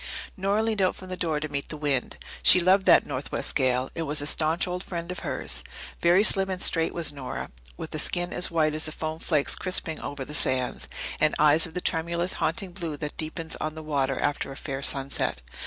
Nora leaned out from the door to meet the wind. She loved that northwest gale; it was a staunch old friend of hers. Very slim and straight was Nora, with a skin as white as the foam flakes crisping over the sands, and eyes of the tremulous, haunting blue that deepens on the water after a fair sunset.